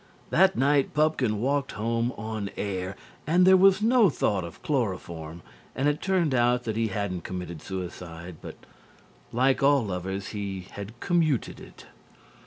That night Pupkin walked home on air and there was no thought of chloroform, and it turned out that he hadn't committed suicide, but like all lovers he had commuted it.